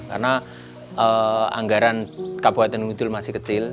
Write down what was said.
karena anggaran kabupaten gunung kidul masih kecil